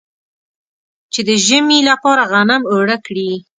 چې د ژمي لپاره غنم اوړه کړي.